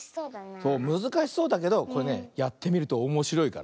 そうむずかしそうだけどこれねやってみるとおもしろいから。